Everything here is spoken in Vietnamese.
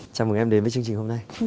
chào mừng em đến với chương trình hôm nay